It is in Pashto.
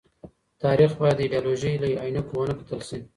تاريخ بايد د ايډيالوژۍ له عينکو ونه کتل سي.